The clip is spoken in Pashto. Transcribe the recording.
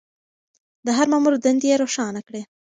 د هر مامور دندې يې روښانه کړې.